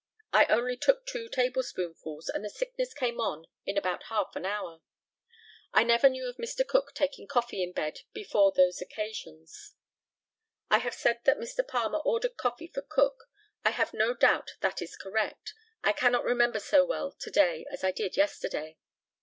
I only took two table spoonfuls, and the sickness came on in about half an hour. I never knew of Mr. Cook taking coffee in bed before those occasions. If I have said that Mr. Palmer ordered coffee for Cook, I have no doubt that it is correct. I cannot remember so well to day as I did yesterday.